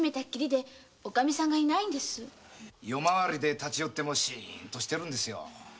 夜回りで寄ってもシンとしてるんですよ。